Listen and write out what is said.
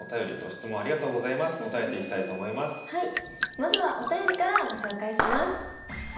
まずはお便りからご紹介します。